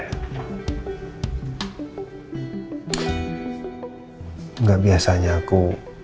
ya gak biasanya aku